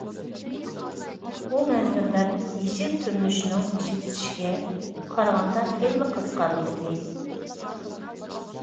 بۇ مەنزىرىلەر پېئىل تۈرلىنىشىنىڭ ئىشلىتىلىشىگە قارىغاندا خېلىلا قىزىقارلىق ئىدى.